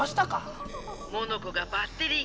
モノコがバッテリー切れでね。